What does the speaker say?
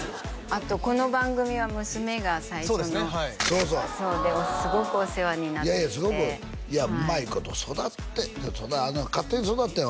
あとこの番組は娘が最初のそうすごくお世話になっていやうまいこと育って勝手に育ったんよ